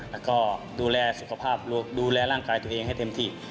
แล้วก็ดูแลสุขภาพดูแลร่างกายตัวเองให้เต็มที่